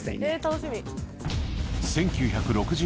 楽しみ。